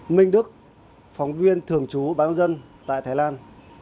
minh đức phóng viên thường trú báo dân tại thái lan